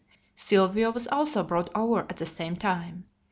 "Sylvio" was also brought over at the same time.